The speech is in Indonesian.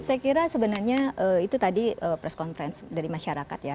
saya kira sebenarnya itu tadi press conference dari masyarakat ya